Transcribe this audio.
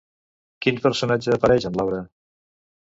Quin personatge apareix en l'obra?